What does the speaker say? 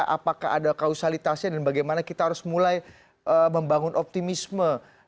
apakah ada kausalitasnya dan bagaimana kita harus mulai membangun optimisme